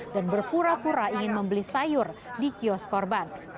dan berpura pura ingin membeli sayur di kios korban